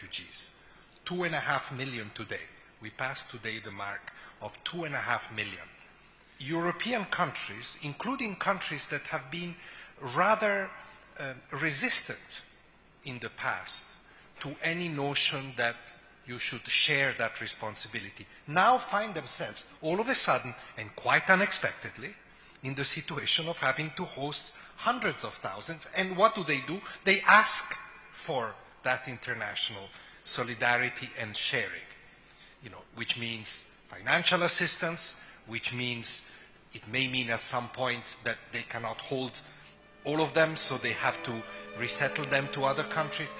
jumlah tersebut mencakup lebih dari satu juta anak anak